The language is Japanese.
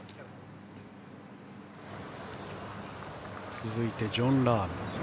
続いて、ジョン・ラーム。